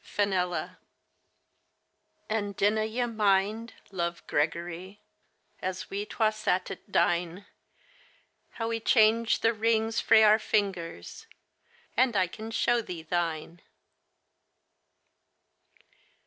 " FENELLA.*' And dinna ye mind, love Gregory, As we twa sate at dine, How we changed the rings frae our fingers, And I can show thee thine